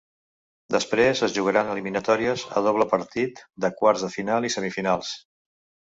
Després, es jugaran eliminatòries a doble partit de quarts de finals i semifinals.